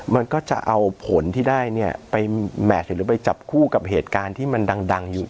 มันก็จะเอาผลที่ได้เนี่ยไปแมทหรือไปจับคู่กับเหตุการณ์ที่มันดังอยู่